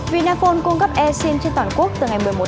vinaphone cung cấp adsense trên toàn quốc